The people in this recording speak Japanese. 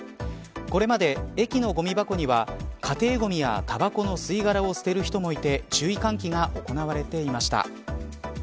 これまで、駅のごみ箱には家庭ごみやタバコの吸い殻を捨てる人もいて注意喚起が行われていました。